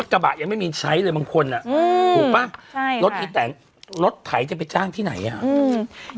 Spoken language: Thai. ได้กระบะยังไม่มีใช้ด้วยมันควันน่ะพูดว่าไล่แต่รถไถจะไปจ้างที่ไหนอ่ะ